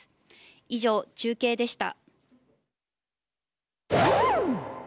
以上、中継でした。